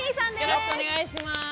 よろしくお願いします。